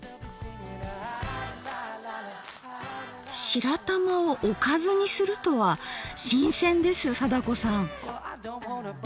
白玉をおかずにするとは新鮮です貞子さん。